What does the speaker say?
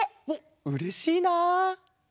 おっうれしいな！